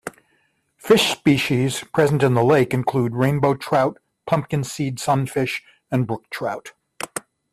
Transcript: Fish species present in the lake include rainbow trout, pumpkinseed sunfish, and brook trout.